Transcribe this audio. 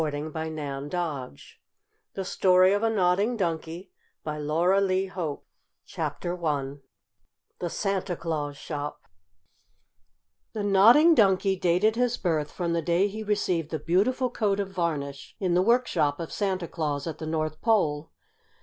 Frontispiece (Page 2)] THE STORY OF A NODDING DONKEY CHAPTER I THE SANTA CLAUS SHOP The Nodding Donkey dated his birth from the day he received the beautiful coat of varnish in the workshop of Santa Claus at the North Pole.